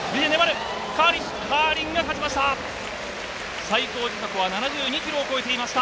カーリンが勝ちました。